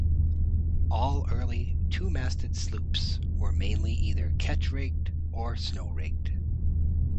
All early two-masted sloops were mainly either ketch-rigged or snow-rigged.